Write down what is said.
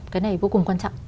cái này vô cùng quan trọng